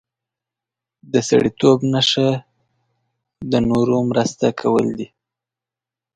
د سړیتوب نښه د نورو مرسته کول دي.